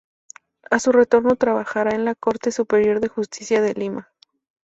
A su retorno trabajará en la Corte Superior de Justicia de Lima.